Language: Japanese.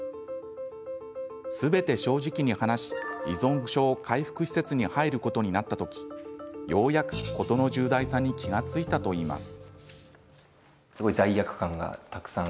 すべて正直に話し依存症回復施設に入ることになった時ようやく事の重大さに気が付いたといいます。